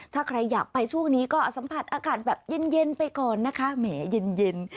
ถ้าใครอยากไปช่วงนี้ก็สัมผัสอากาศแบบเย็นไปก่อนนะคะแหมเย็น